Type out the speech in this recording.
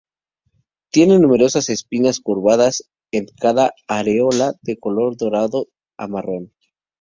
Tiene numerosas espinas curvadas en cada areola de color dorado a marrón.